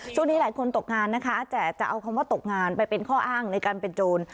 ช่วงนี้หลายคนตกงานนะคะแต่จะเอาคำว่าตกงานไปเป็นข้ออ้างในการเป็นโจร